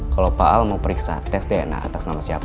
kalau pak al mau periksa tes dna atas nama siapa